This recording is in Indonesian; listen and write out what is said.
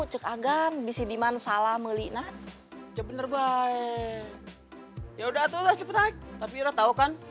ya ya bismillahirrahmanirrahim